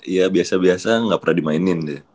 iya biasa biasa gak pernah dimainin dia